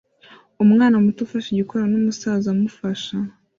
Umwana muto ufashe igikona numusaza amufasha